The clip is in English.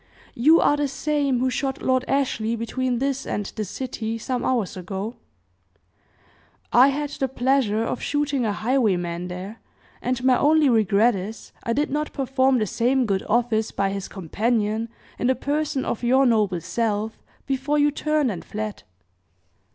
"You are the same who shot Lord Ashley between this and the city, some hours ago?" "I had the pleasure of shooting a highwayman there, and my only regret is, I did not perform the same good office by his companion, in the person of your noble self, before you turned and fled."